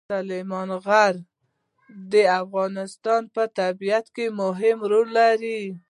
سلیمان غر د افغانستان په طبیعت کې مهم رول لري.